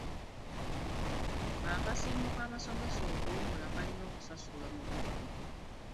Akasiimo k'abasomesa ak'okuwummula kalina okusasulwa mu budde.